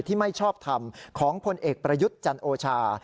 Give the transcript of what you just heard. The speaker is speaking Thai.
ไม่ชอบทำของพลเอกประยุทธ์จันโอชา